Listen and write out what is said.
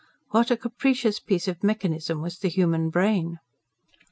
What a capricious piece of mechanism was the human brain!